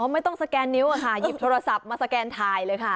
ไม่ต้องสแกนนิ้วค่ะหยิบโทรศัพท์มาสแกนถ่ายเลยค่ะ